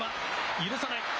許さない。